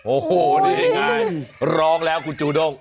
โอ้โหนี่ง่ายร้องแล้วคุณจูด้ง